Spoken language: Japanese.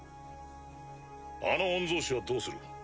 あの御曹司はどうする？